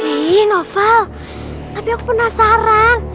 eh noval tapi aku penasaran